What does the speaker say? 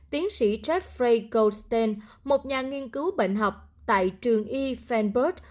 tiến sĩ jeffrey goldstein một nhà nghiên cứu bệnh học tại trường y fennberg